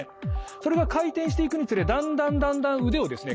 それが回転していくにつれだんだんだんだん腕をですね